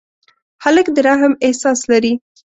هلک د رحم احساس لري.